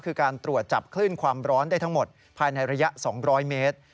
คือการตรวจจับคลื่นความร้อนได้ทั้งหมดภายในระยะ๒๐๐เมตร